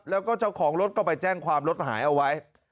แล้วก็เจ้าของรถก็ไปแจ้งความรถหายเอาไว้